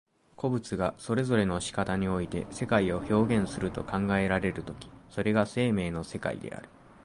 個物がそれぞれの仕方において世界を表現すると考えられる時、それが生命の世界である。